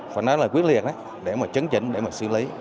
phải nói là quyết liệt để mà chấn chỉnh để mà xử lý